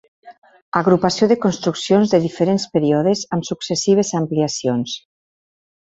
Agrupació de construccions de diferents períodes amb successives ampliacions.